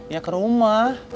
ya ke rumah